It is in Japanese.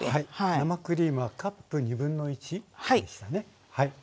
生クリームはカップ1/2でしたね。